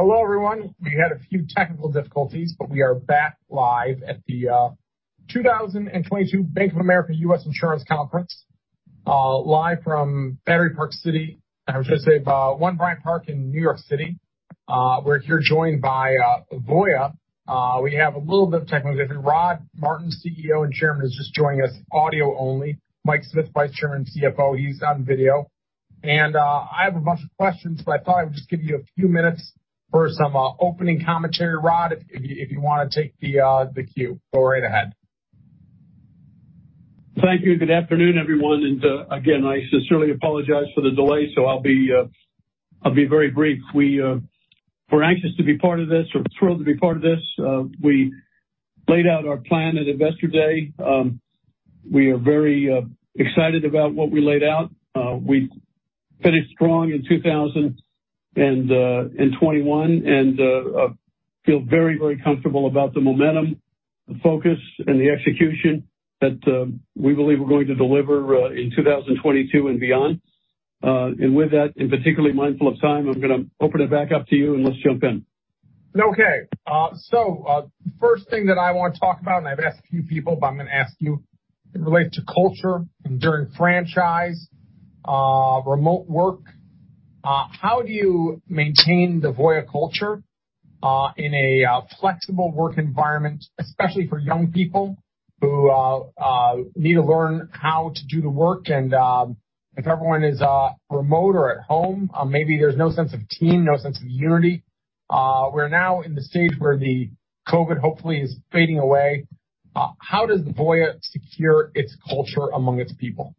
Hello, everyone. We had a few technical difficulties, but we are back live at the 2022 Bank of America U.S. Insurance Conference, live from Battery Park City. I was going to say One Bryant Park in New York City, where you're joined by Voya. We have a little bit of technical difficulty. Rod Martin, CEO and Chairman, is just joining us audio only. Mike Smith, Vice Chairman, CFO, he's on video. I have a bunch of questions, but I thought I would just give you a few minutes for some opening commentary. Rod, if you want to take the cue. Go right ahead. Thank you. Good afternoon, everyone. Again, I sincerely apologize for the delay, I'll be very brief. We're anxious to be part of this. We're thrilled to be part of this. We laid out our plan at Investor Day. We are very excited about what we laid out. We finished strong in 2021, and feel very, very comfortable about the momentum, the focus, and the execution that we believe we're going to deliver in 2022 and beyond. With that, and particularly mindful of time, I'm going to open it back up to you, let's jump in. Okay. First thing that I want to talk about, I've asked a few people, but I'm going to ask you. It relates to culture, enduring franchise, remote work. How do you maintain the Voya culture in a flexible work environment, especially for young people who need to learn how to do the work? If everyone is remote or at home, maybe there's no sense of team, no sense of unity. We're now in the stage where the COVID hopefully is fading away. How does Voya secure its culture among its people?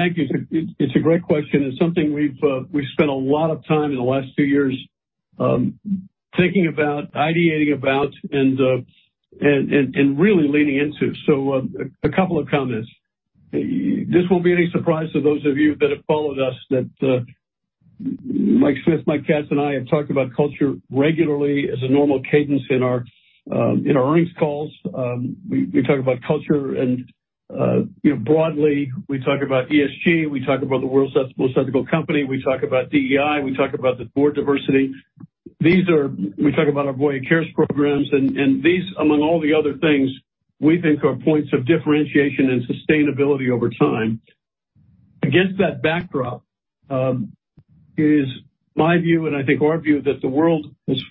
Thank you. It's a great question, something we've spent a lot of time in the last two years thinking about, ideating about, and really leaning into. A couple of comments. This won't be any surprise to those of you that have followed us that Mike Smith, Mike Katz, and I have talked about culture regularly as a normal cadence in our earnings calls. We talk about culture and broadly, we talk about ESG, we talk about the World's Most Ethical Companies, we talk about DEI, we talk about the board diversity. We talk about our Voya Cares programs, these, among all the other things, we think are points of differentiation and sustainability over time. Against that backdrop is my view, I think our view, that the world has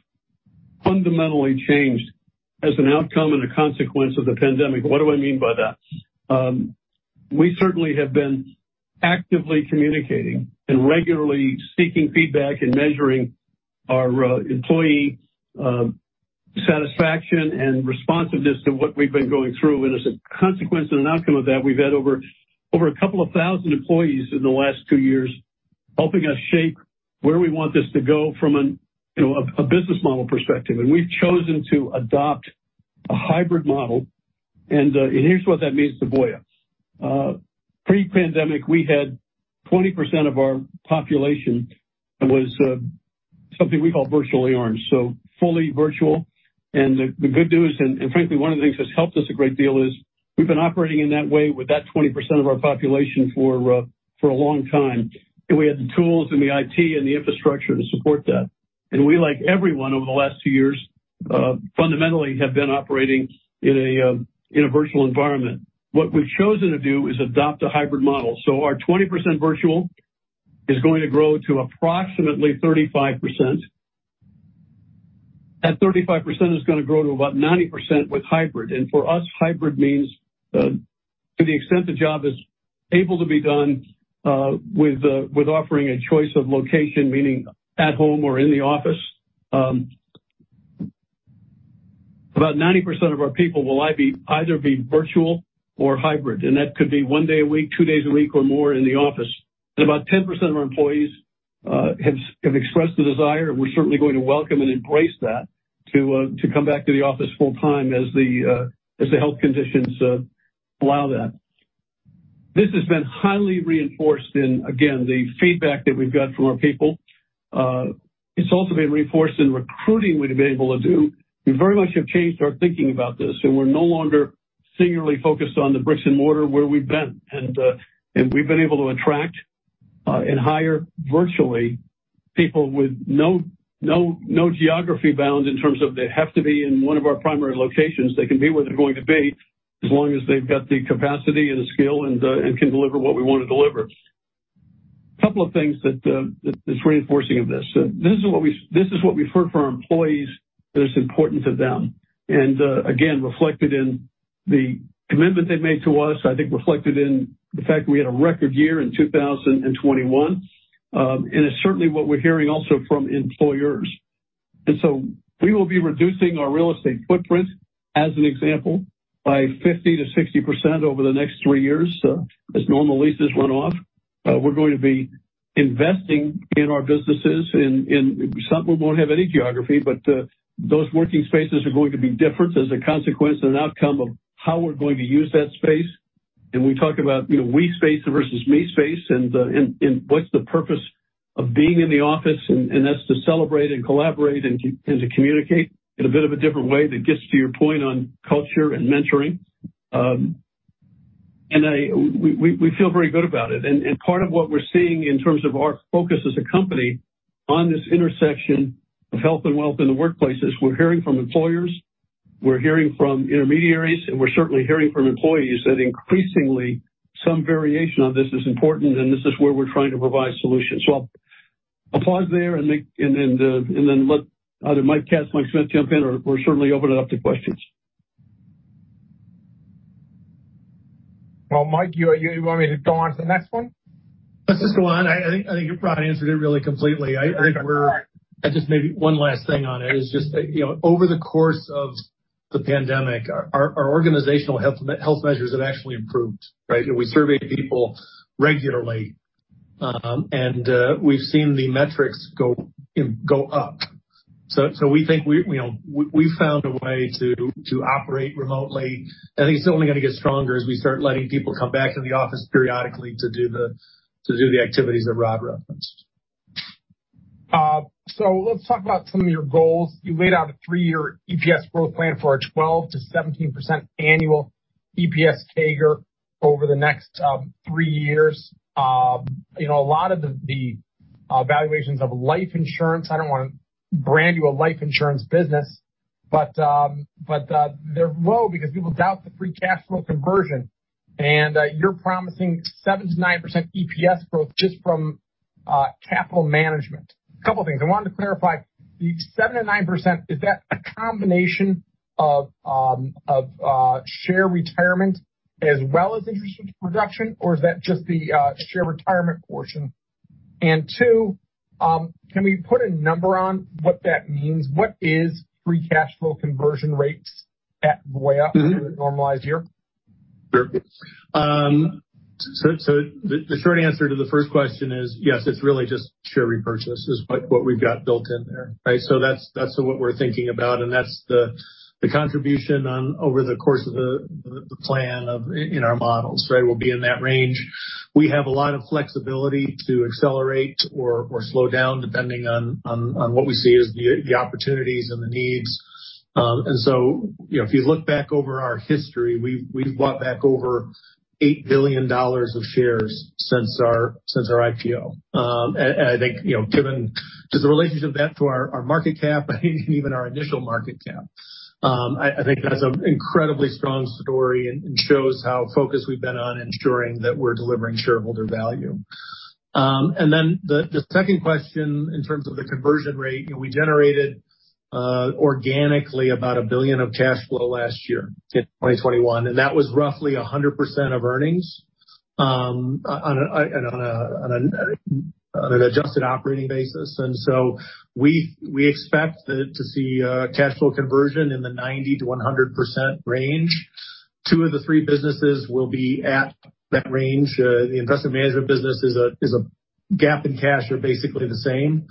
fundamentally changed as an outcome and a consequence of the pandemic. What do I mean by that? We certainly have been actively communicating and regularly seeking feedback and measuring our employee satisfaction and responsiveness to what we've been going through. As a consequence and an outcome of that, we've had over 2,000 employees in the last 2 years helping us shape where we want this to go from a business model perspective. We've chosen to adopt a hybrid model, and here's what that means to Voya. Pre-pandemic, we had 20% of our population was something we call virtually armed, so fully virtual. The good news, and frankly, one of the things that's helped us a great deal is we've been operating in that way with that 20% of our population for a long time. We had the tools and the IT and the infrastructure to support that. We, like everyone over the last 2 years, fundamentally have been operating in a virtual environment. What we've chosen to do is adopt a hybrid model. Our 20% virtual is going to grow to approximately 35%. That 35% is going to grow to about 90% with hybrid. For us, hybrid means to the extent the job is able to be done with offering a choice of location, meaning at home or in the office. About 90% of our people will either be virtual or hybrid, and that could be one day a week, two days a week, or more in the office. About 10% of our employees have expressed the desire, and we're certainly going to welcome and embrace that, to come back to the office full time as the health conditions allow that. This has been highly reinforced in, again, the feedback that we've got from our people. It's also been reinforced in recruiting we've been able to do. We very much have changed our thinking about this, and we're no longer singularly focused on the bricks and mortar where we've been. We've been able to attract and hire virtually people with no geography bounds in terms of they have to be in one of our primary locations. They can be where they're going to be as long as they've got the capacity and the skill and can deliver what we want to deliver. Couple of things that's reinforcing of this. This is what we've heard from our employees that is important to them, and again, reflected in the commitment they've made to us, I think reflected in the fact we had a record year in 2021. It's certainly what we're hearing also from employers. We will be reducing our real estate footprint, as an example, by 50%-60% over the next three years as normal leases run off. We're going to be investing in our businesses. Some won't have any geography, but those working spaces are going to be different as a consequence and an outcome of how we're going to use that space. We talk about we space versus me space and what's the purpose of being in the office, and that's to celebrate and collaborate and to communicate in a bit of a different way that gets to your point on culture and mentoring. We feel very good about it. Part of what we're seeing in terms of our focus as a company on this intersection of health and wealth in the workplace is we're hearing from employers, we're hearing from intermediaries, and we're certainly hearing from employees that increasingly some variation of this is important, and this is where we're trying to provide solutions. I'll pause there and then let either Mike Katz, Mike Smith jump in, or we'll certainly open it up to questions. Well, Mike, you want me to go on to the next one? Let's just go on. I think Rod answered it really completely. Okay. I think just maybe one last thing on it is just that over the course of the pandemic, our organizational health measures have actually improved, right? We survey people regularly. We've seen the metrics go up. We think we've found a way to operate remotely, and it's only going to get stronger as we start letting people come back in the office periodically to do the activities that Rod referenced. Let's talk about some of your goals. You laid out a three-year EPS growth plan for a 12%-17% annual EPS CAGR over the next 3 years. A lot of the valuations of life insurance, I don't want to brand you a life insurance business, but they're low because people doubt the free cash flow conversion. You're promising 7%-9% EPS growth just from capital management. A couple things I wanted to clarify. The 7%-9%, is that a combination of share retirement as well as interest income reduction? Or is that just the share retirement portion? Two, can we put a number on what that means? What is free cash flow conversion rates at Voya On a normalized year? Sure. The short answer to the first question is yes, it's really just share repurchase is what we've got built in there, right? That's what we're thinking about, and that's the contribution over the course of the plan in our models, right, will be in that range. We have a lot of flexibility to accelerate or slow down, depending on what we see as the opportunities and the needs. If you look back over our history, we've bought back over $8 billion of shares since our IPO. I think just the relationship of that to our market cap and even our initial market cap, I think that's an incredibly strong story and shows how focused we've been on ensuring that we're delivering shareholder value. The second question in terms of the conversion rate, we generated organically about $1 billion of cash flow last year in 2021, and that was roughly 100% of earnings on an adjusted operating basis. We expect to see cash flow conversion in the 90%-100% range. Two of the three businesses will be at that range. The investment management business is a gap in cash are basically the same.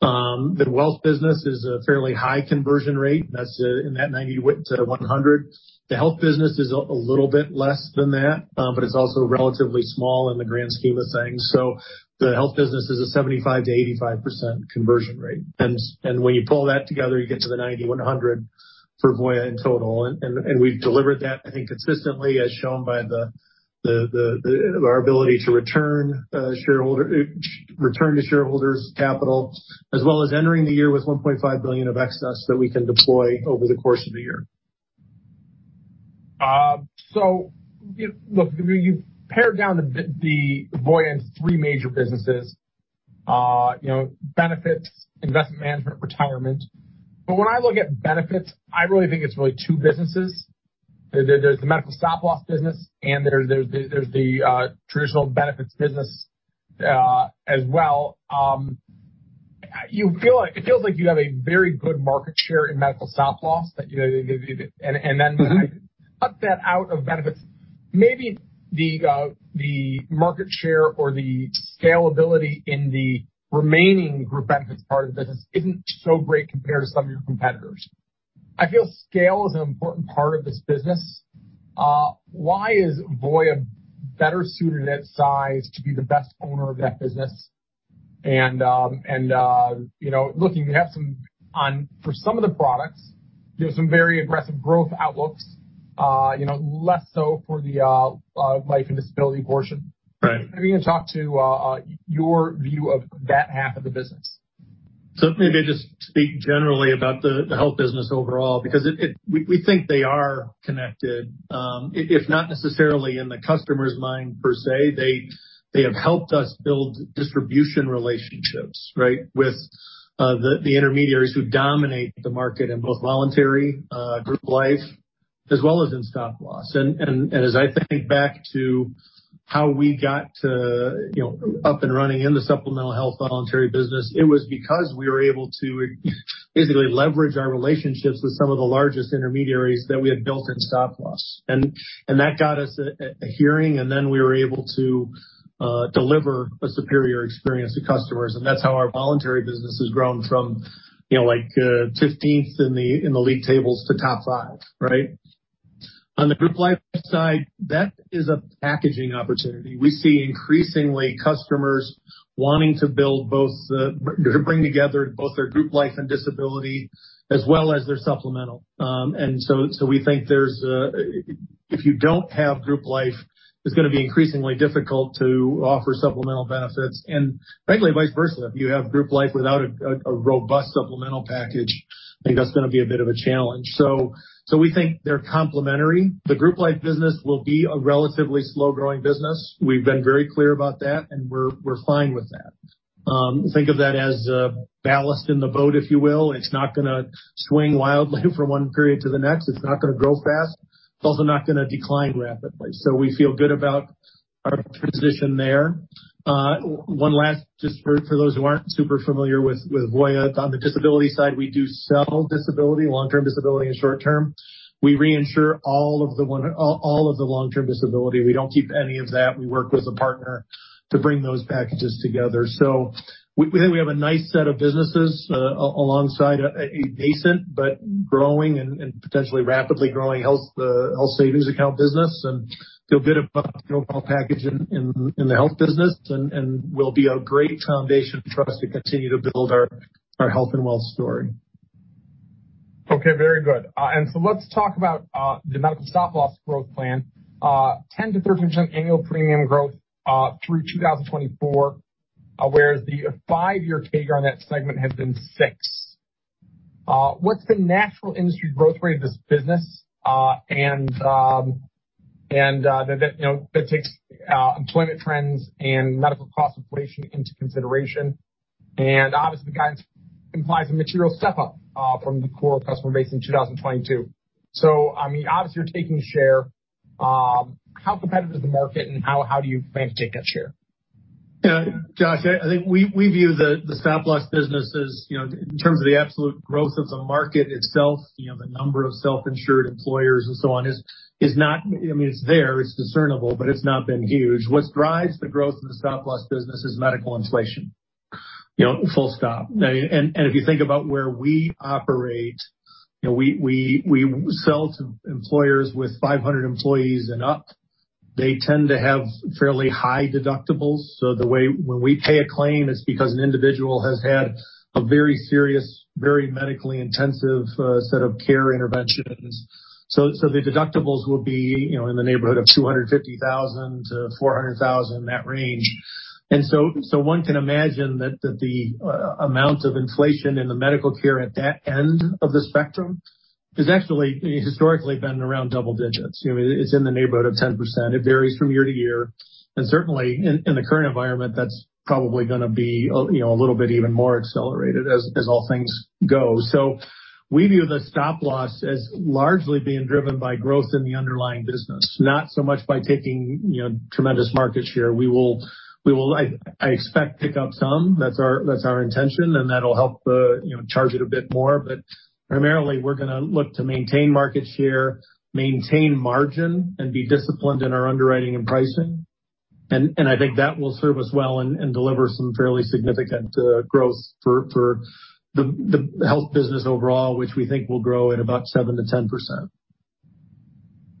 The wealth business is a fairly high conversion rate. That's in that 90%-100%. The health business is a little bit less than that, but it's also relatively small in the grand scheme of things. The health business is a 75%-85% conversion rate. When you pull that together, you get to the 90%-100% for Voya in total. We've delivered that, I think, consistently, as shown by our ability to return to shareholders capital as well as entering the year with $1.5 billion of excess that we can deploy over the course of the year. Look, you've pared down Voya into three major businesses, benefits, investment management, retirement. When I look at benefits, I really think it's really two businesses. There's the medical stop loss business and there's the traditional benefits business as well. It feels like you have a very good market share in medical stop loss. cut that out of benefits, maybe the market share or the scalability in the remaining group benefits part of the business isn't so great compared to some of your competitors. I feel scale is an important part of this business. Why is Voya better suited at size to be the best owner of that business? Looking, for some of the products, there's some very aggressive growth outlooks, less so for the life and disability portion. Right. Maybe you can talk to your view of that half of the business. Maybe I just speak generally about the health business overall because we think they are connected, if not necessarily in the customer's mind per se. They have helped us build distribution relationships, right, with the intermediaries who dominate the market in both voluntary group life as well as in stop-loss. As I think back to how we got up and running in the supplemental health voluntary business, it was because we were able to basically leverage our relationships with some of the largest intermediaries that we had built in stop-loss. That got us a hearing, and then we were able to deliver a superior experience to customers. That's how our voluntary business has grown from fifteenth in the league tables to top five, right? On the group life side, that is a packaging opportunity. We see increasingly customers to bring together both their group life and disability as well as their supplemental. We think if you don't have group life, it's going to be increasingly difficult to offer supplemental benefits, and frankly, vice versa. If you have group life without a robust supplemental package, I think that's going to be a bit of a challenge. We think they're complementary. The group life business will be a relatively slow-growing business. We've been very clear about that, and we're fine with that. Think of that as a ballast in the boat, if you will. It's not going to swing wildly from one period to the next. It's not going to grow fast. It's also not going to decline rapidly. We feel good about our position there. One last just for those who aren't super familiar with Voya. On the disability side, we do sell disability, long-term disability, and short-term. We reinsure all of the long-term disability. We don't keep any of that. We work with a partner to bring those packages together. We think we have a nice set of businesses alongside a decent but growing and potentially rapidly growing Health Savings Account business, and feel good about the overall package in the health business and will be a great foundation for us to continue to build our health and wealth story. Okay. Very good. Let's talk about the medical stop loss growth plan. 10% to 13% annual premium growth through 2024, where the five-year CAGR on that segment has been six. What's the natural industry growth rate of this business? That takes employment trends and medical cost inflation into consideration, and obviously, guidance implies a material step-up from the core customer base in 2022. I mean, obviously, you're taking share. How competitive is the market, and how do you plan to take that share? Yeah, Josh, I think we view the stop-loss business as in terms of the absolute growth of the market itself, the number of self-insured employers and so on is not. I mean, it's there, it's discernible, but it's not been huge. What drives the growth of the stop-loss business is medical inflation. Full stop. If you think about where we operate, we sell to employers with 500 employees and up. They tend to have fairly high deductibles. When we pay a claim, it's because an individual has had a very serious, very medically intensive set of care interventions. The deductibles will be in the neighborhood of $250,000 to $400,000, that range. One can imagine that the amount of inflation in the medical care at that end of the spectrum has actually historically been around double digits. It's in the neighborhood of 10%. It varies from year to year, and certainly in the current environment, that's probably going to be a little bit even more accelerated as all things go. We view the stop-loss as largely being driven by growth in the underlying business, not so much by taking tremendous market share. We will, I expect, pick up some. That's our intention, and that'll help charge it a bit more. Primarily, we're going to look to maintain market share, maintain margin, and be disciplined in our underwriting and pricing. I think that will serve us well and deliver some fairly significant growth for the health business overall, which we think will grow at about 7% to 10%.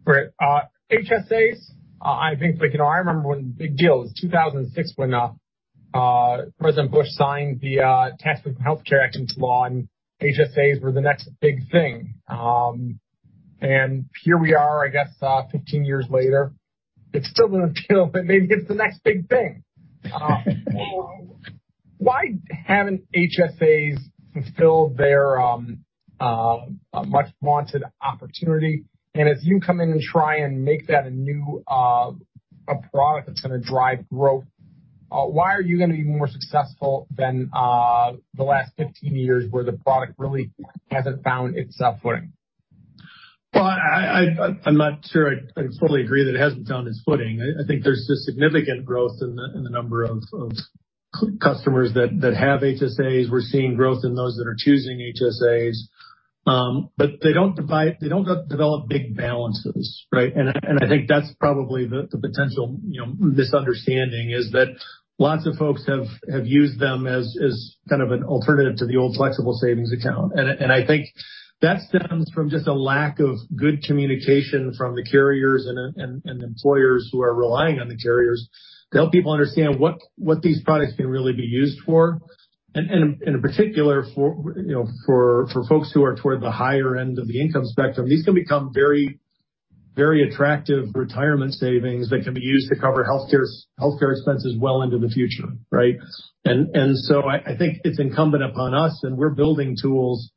Great. HSAs, I think I remember when the big deal was 2006 when President Bush signed the Tax and Health Care Act into law, HSAs were the next big thing. Here we are, I guess 15 years later, it still hasn't killed, but maybe it's the next big thing. Why haven't HSAs fulfilled their much-wanted opportunity? If you come in and try and make that a new product that's going to drive growth, why are you going to be more successful than the last 15 years where the product really hasn't found its footing? Well, I'm not sure I totally agree that it hasn't found its footing. I think there's just significant growth in the number of customers that have HSAs. We're seeing growth in those that are choosing HSAs. They don't develop big balances, right? I think that's probably the potential misunderstanding is that lots of folks have used them as kind of an alternative to the old flexible spending account. I think that stems from just a lack of good communication from the carriers and employers who are relying on the carriers to help people understand what these products can really be used for. In particular for folks who are toward the higher end of the income spectrum, these can become very attractive retirement savings that can be used to cover healthcare expenses well into the future, right? I think it's incumbent upon us, and we're building tools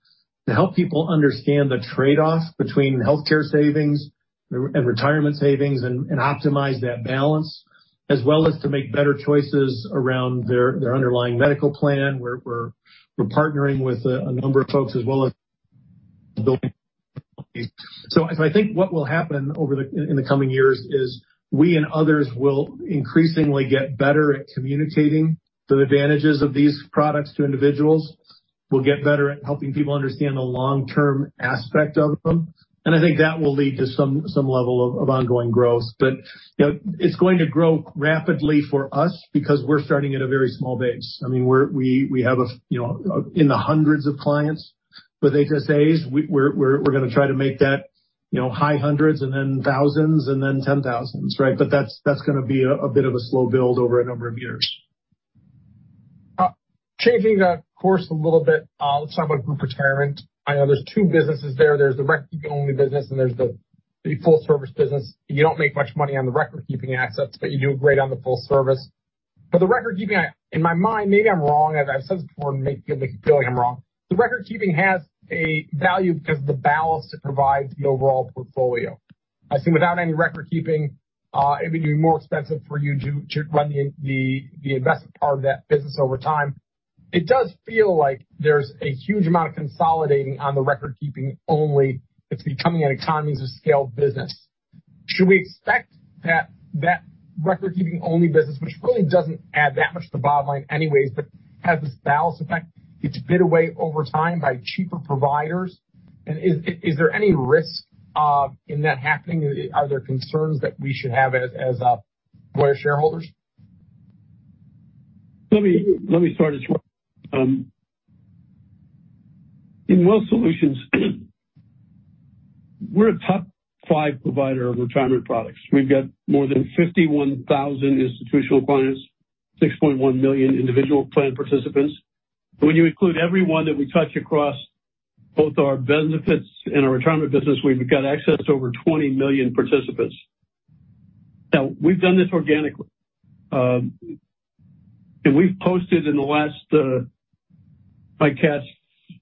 to help people understand the trade-off between health care savings and retirement savings and optimize that balance as well as to make better choices around their underlying medical plan. We're partnering with a number of folks as well as building. I think what will happen in the coming years is we and others will increasingly get better at communicating the advantages of these products to individuals. We'll get better at helping people understand the long-term aspect of them, and I think that will lead to some level of ongoing growth. It's going to grow rapidly for us because we're starting at a very small base. I mean, we have in the hundreds of clients with HSAs. We're going to try to make that High hundreds and then thousands and then 10 thousands, right? That's going to be a bit of a slow build over a number of years. Changing course a little bit, let's talk about group retirement. I know there's two businesses there. There's the record keeping only business, and there's the full service business. You don't make much money on the record keeping assets, but you do great on the full service. For the record keeping, in my mind, maybe I'm wrong, I have a sense for maybe I'm wrong. The record keeping has a value because of the balance it provides the overall portfolio. I think without any record keeping, it would be more expensive for you to run the investment part of that business over time. It does feel like there's a huge amount of consolidating on the record keeping only. It's becoming an economies of scale business. Should we expect that record keeping only business, which really doesn't add that much to the bottom line anyways, but has this balance effect, gets bid away over time by cheaper providers? Is there any risk in that happening? Are there concerns that we should have as Voya shareholders? Let me start it. In Wealth Solutions we're a top five provider of retirement products. We've got more than 51,000 institutional clients, 6.1 million individual plan participants. When you include everyone that we touch across both our benefits and our retirement business, we've got access to over 20 million participants. Now, we've done this organically, and we've posted in the last, Mike Katz,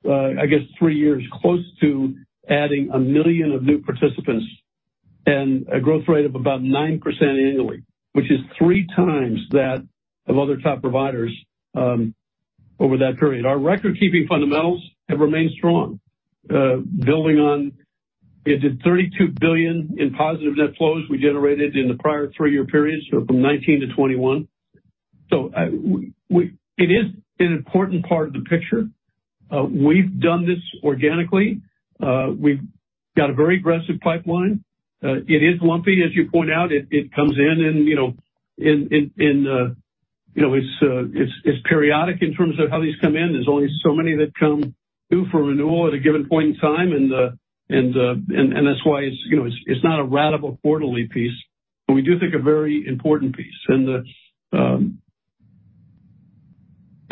I guess three years, close to adding 1 million of new participants and a growth rate of about 9% annually, which is three times that of other top providers over that period. Our record keeping fundamentals have remained strong, building on the $32 billion in positive net flows we generated in the prior three-year period, from 2019 to 2021. It is an important part of the picture. We've done this organically. We've got a very aggressive pipeline. It is lumpy, as you point out. It comes in and it's periodic in terms of how these come in. There's only so many that come due for renewal at a given point in time, and that's why it's not a ratable quarterly piece, but we do think a very important piece.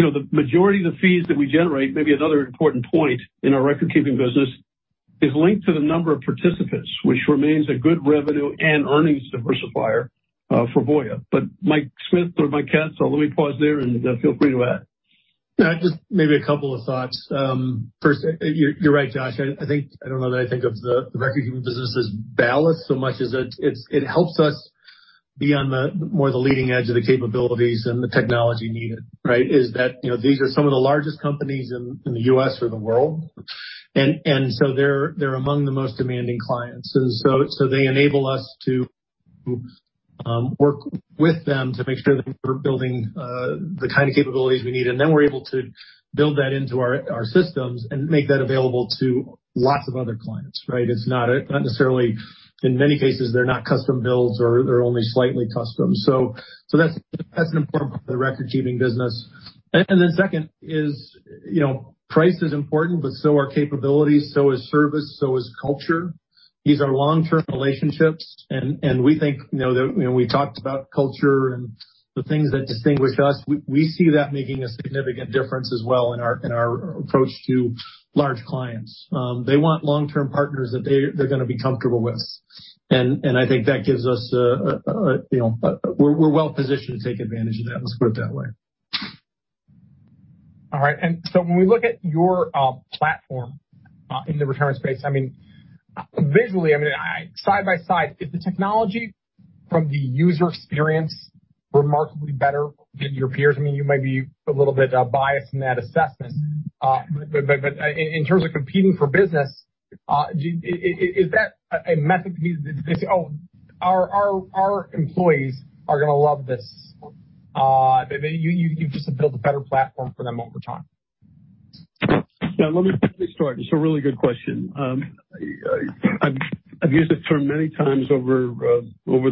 The majority of the fees that we generate, maybe another important point in our record keeping business, is linked to the number of participants, which remains a good revenue and earnings diversifier for Voya. Mike Smith or Mike Katz, let me pause there and feel free to add. Just maybe a couple of thoughts. First, you're right, Josh. I don't know that I think of the record keeping business as ballast so much as it helps us be on more the leading edge of the capabilities and the technology needed, right? Is that these are some of the largest companies in the U.S. or the world, and so they're among the most demanding clients. They enable us to work with them to make sure that we're building the kind of capabilities we need. We're able to build that into our systems and make that available to lots of other clients, right? It's not necessarily, in many cases, they're not custom builds or they're only slightly custom. That's an important part of the record keeping business. Second is price is important, but so are capabilities, so is service, so is culture. These are long-term relationships, and we think that when we talked about culture and the things that distinguish us, we see that making a significant difference as well in our approach to large clients. They want long-term partners that they're going to be comfortable with. I think that gives us, we're well positioned to take advantage of that, let's put it that way. When we look at your platform in the retirement space, visually, side by side, is the technology from the user experience remarkably better than your peers? You may be a little bit biased in that assessment. In terms of competing for business, is that a message that our employees are going to love this? You've just built a better platform for them over time. Let me start. It's a really good question. I've used that term many times over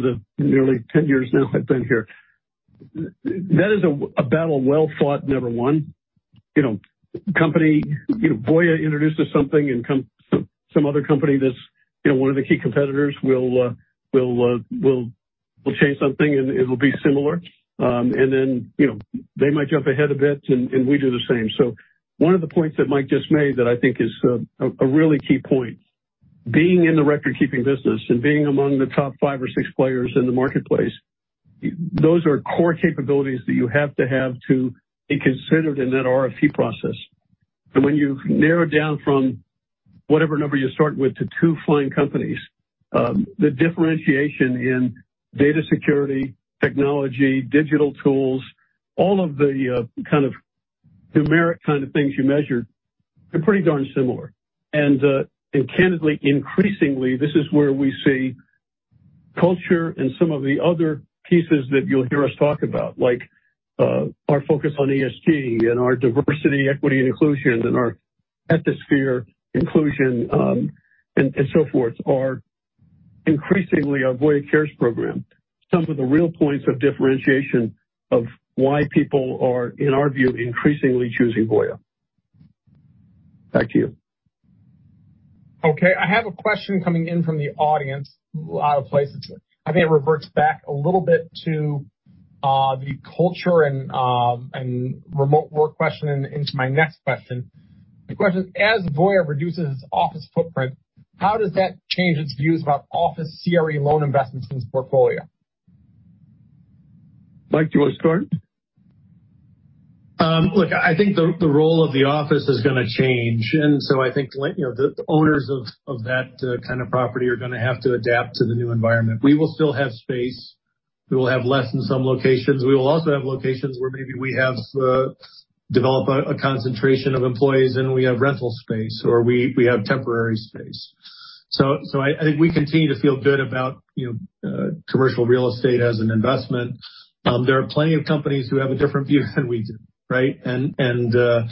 the nearly 10 years now I've been here. That is a battle well fought, never won. Voya introduces something and some other company that's one of the key competitors will change something, and it'll be similar. Then they might jump ahead a bit, and we do the same. One of the points that Mike just made that I think is a really key point, being in the record keeping business and being among the top five or six players in the marketplace, those are core capabilities that you have to have to be considered in that RFP process. When you narrow down from whatever number you start with to two finalizing companies, the differentiation in data security, technology, digital tools, all of the kind of numeric kind of things you measure, they're pretty darn similar. Candidly, increasingly, this is where we see culture and some of the other pieces that you'll hear us talk about, like our focus on ESG and our diversity, equity, and inclusion, and our Ethisphere inclusion, and so forth are Increasingly, our Voya Cares program, some of the real points of differentiation of why people are, in our view, increasingly choosing Voya. Back to you. Okay, I have a question coming in from the audience, a lot of places. I think it reverts back a little bit to the culture and remote work question and into my next question. The question is: As Voya reduces its office footprint, how does that change its views about office CRE loan investments in its portfolio? Mike, do you want to start? Look, I think the role of the office is going to change. I think the owners of that kind of property are going to have to adapt to the new environment. We will still have space. We will have less in some locations. We will also have locations where maybe we develop a concentration of employees and we have rental space, or we have temporary space. I think we continue to feel good about commercial real estate as an investment. There are plenty of companies who have a different view than we do, right? That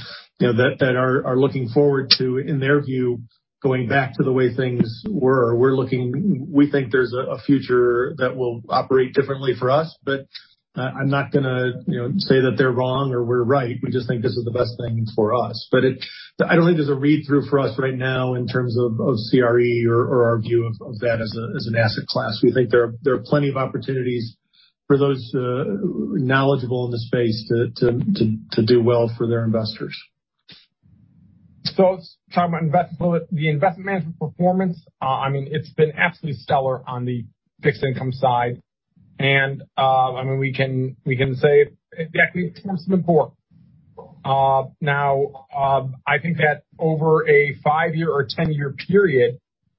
are looking forward to, in their view, going back to the way things were. We think there's a future that will operate differently for us. I'm not going to say that they're wrong or we're right. We just think this is the best thing for us. I don't think there's a read-through for us right now in terms of CRE or our view of that as an asset class. We think there are plenty of opportunities for those knowledgeable in the space to do well for their investors. Let's talk about the investment management performance. It's been absolutely stellar on the fixed income side. We can say exactly what Tim said before. Now, I think that over a five-year or 10-year period,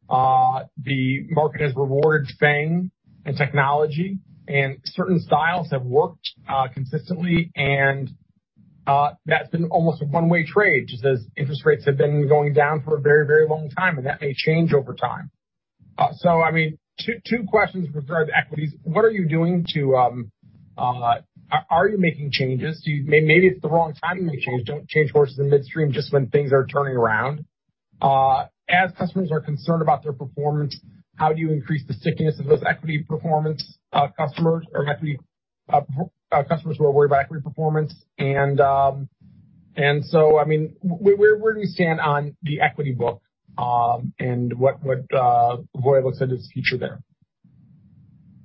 the market has rewarded FANG and technology. Certain styles have worked consistently, and that's been almost a one-way trade, just as interest rates have been going down for a very, very long time, and that may change over time. Two questions with regard to equities. Are you making changes? Maybe it's the wrong time to make changes. Don't change horses in midstream just when things are turning around. As customers are concerned about their performance, how do you increase the stickiness of those customers who are worried about equity performance? Where do we stand on the equity book? What Voya looks at is the future there.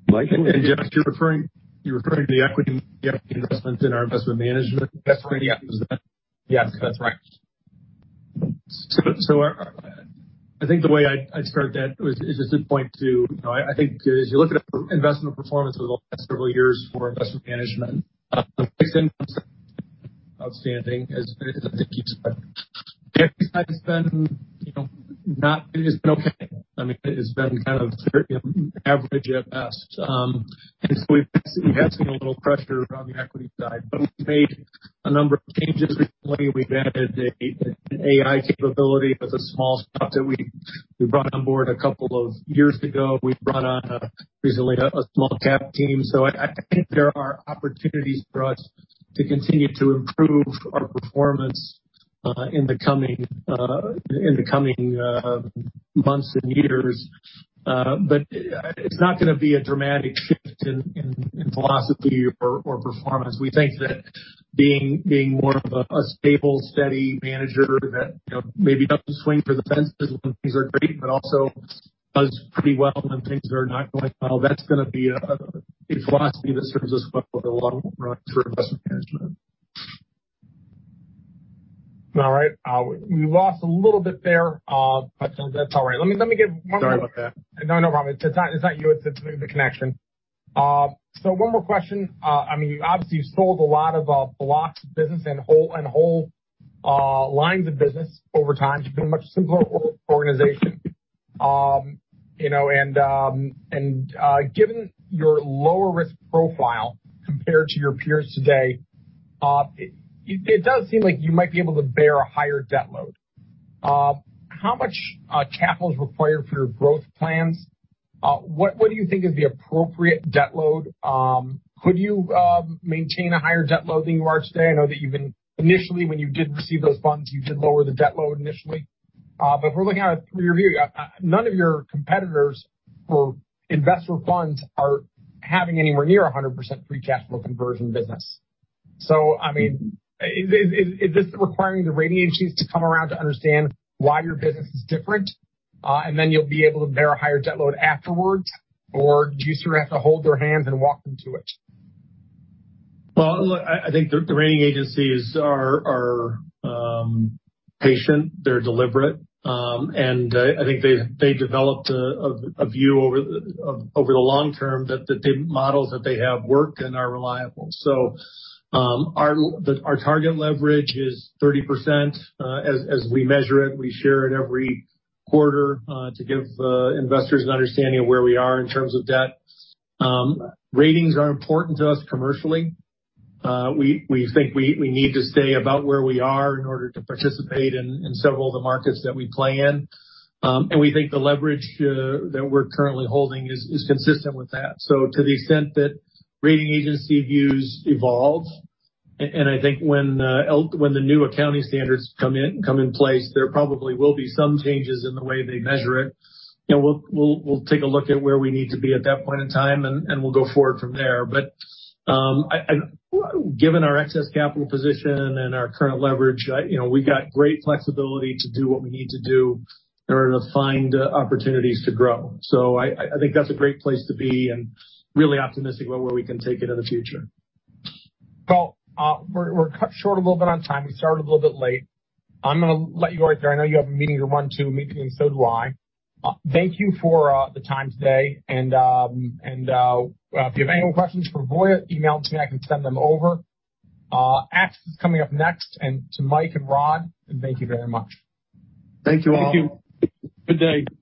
Mike? Josh, you're referring to the equity investment in our investment management? Yes. Is that- Yes, that's right. I think the way I'd start that is just to point to, I think as you look at investment performance over the last several years for investment management, outstanding as I think you said. The equity side it has been okay. It has been kind of average at best. We have seen a little pressure on the equity side, but we've made a number of changes recently. We've added the AI capability as a small shop that we brought on board a couple of years ago. We've brought on, recently, a small cap team. I think there are opportunities for us to continue to improve our performance in the coming months and years. It's not going to be a dramatic shift in philosophy or performance. We think that being more of a stable, steady manager that maybe doesn't swing for the fences when things are great, but also does pretty well when things are not going well, that's going to be a philosophy that serves us well over the long run for investment management. All right. We lost a little bit there, but that's all right. Let me give one more- Sorry about that. No, no problem. It's not you. It's the connection. One more question. Obviously, you've sold a lot of blocks of business and whole lines of business over time to be a much simpler organization. Given your lower risk profile compared to your peers today, it does seem like you might be able to bear a higher debt load. How much capital is required for your growth plans? What do you think is the appropriate debt load? Could you maintain a higher debt load than you are today? I know that initially, when you did receive those funds, you did lower the debt load initially. If we're looking at it through your view, none of your competitors or investor funds are having anywhere near 100% free cash flow conversion business. Is this requiring the rating agencies to come around to understand why your business is different, and then you'll be able to bear a higher debt load afterwards? Or do you sort of have to hold their hands and walk them to it? Look, I think the rating agencies are patient, they're deliberate. I think they developed a view over the long term that the models that they have work and are reliable. Our target leverage is 30%, as we measure it. We share it every quarter, to give investors an understanding of where we are in terms of debt. Ratings are important to us commercially. We think we need to stay about where we are in order to participate in several of the markets that we play in. We think the leverage that we're currently holding is consistent with that. To the extent that rating agency views evolve, and I think when the new accounting standards come in place, there probably will be some changes in the way they measure it. We'll take a look at where we need to be at that point in time, and we'll go forward from there. Given our excess capital position and our current leverage, we got great flexibility to do what we need to do in order to find opportunities to grow. I think that's a great place to be and really optimistic about where we can take it in the future. We're cut short a little bit on time. We started a little bit late. I'm going to let you go right there. I know you have a meeting to run to, a meeting, and so do I. Thank you for the time today, and if you have any more questions for Voya, email them to me, I can send them over. AXIS is coming up next, and to Mike and Rod, and thank you very much. Thank you all. Thank you. Good day.